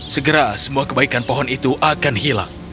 segera semua kebaikan pohon itu akan hilang